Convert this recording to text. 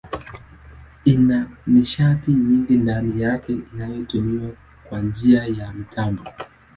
Ina nishati nyingi ndani yake inayotumiwa kwa njia ya mitambo.